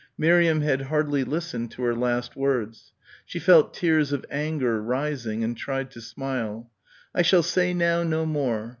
Miriam had hardly listened to her last words. She felt tears of anger rising and tried to smile. "I shall say now no more.